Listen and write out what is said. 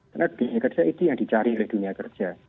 karena dunia kerja itu yang dicari oleh dunia kerja